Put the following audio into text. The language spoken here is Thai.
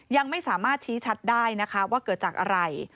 ยังไม่สามารถชี้ชัดได้นะคะว่าเกิดจากอะไร